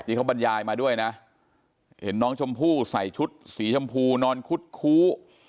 บรรยายมาด้วยนะเห็นน้องชมพู่ใส่ชุดสีชมพูนอนคุดคู้